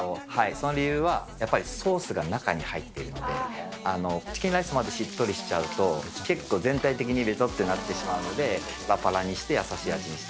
その理由は、ソースが中に入ってるので、チキンライスまでしっとりしちゃうと、結構、全体的にべとっとなってしまうので、ぱらぱらにして、優しい味に。